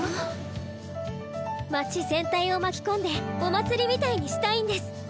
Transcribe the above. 街全体を巻き込んでお祭りみたいにしたいんです。